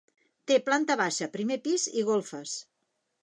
Té planta baixa, primer pis i golfes.